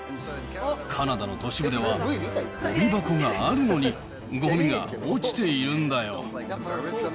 カナダの都市部では、ごみ箱があるのにごみが落ちているんだよ。